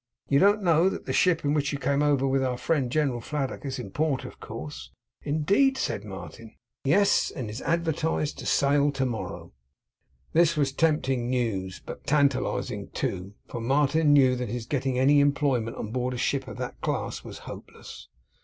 You don't know that the ship in which you came over with our friend General Fladdock, is in port, of course?' 'Indeed!' said Martin. 'Yes. And is advertised to sail to morrow.' This was tempting news, but tantalising too; for Martin knew that his getting any employment on board a ship of that class was hopeless.